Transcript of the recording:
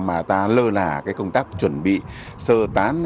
mà ta lơ là cái công tác chuẩn bị sơ tán